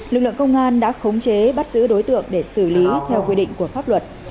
lực lượng công an đã khống chế bắt giữ đối tượng để xử lý theo quy định của pháp luật